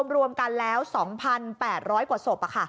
รวมกันแล้ว๒๘๐๐กว่าศพ